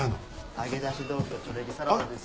揚げ出し豆腐とチョレギサラダです。